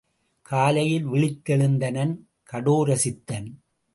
காலையில் விழித் தெழுந்தனன் கடோரசித்தன்.